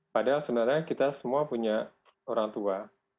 padahal sebenarnya kita semua punya orang tua